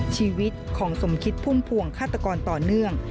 ชีวิตของสมคิดพุ่มพวงฆาตกรต่อเนื่อง